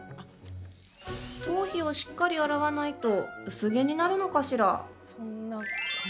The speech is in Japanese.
頭皮をしっかり洗わないと薄毛になるのかしら？